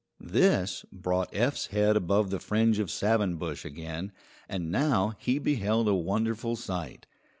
This brought Eph's head above the fringe of savin bush again, and now he beheld a wonderful sight.